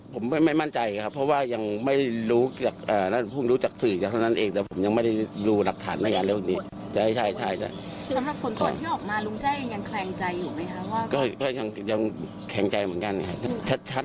พาพระบินทราบาทอยู่ในหมู่บ้าน